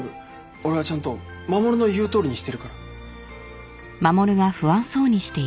俺はちゃんと守の言うとおりにしてるから。